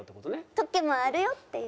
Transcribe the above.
時もあるよっていう。